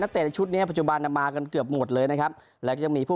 นักเตะในชุดนี้ปัจจุบันมากันเกือบหมดเลยนะครับและก็จะมีผู้